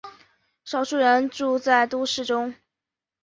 少数人住在都市中。